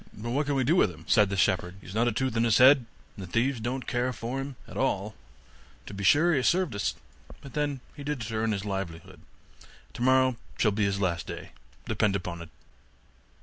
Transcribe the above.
'But what can we do with him?' said the shepherd, 'he has not a tooth in his head, and the thieves don't care for him at all; to be sure he has served us, but then he did it to earn his livelihood; tomorrow shall be his last day, depend upon it.